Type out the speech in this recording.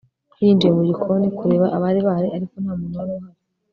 yinjiye mu gikoni kureba abari bahari, ariko nta muntu wari uhari